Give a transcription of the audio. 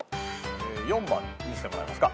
４番見せてもらえますか？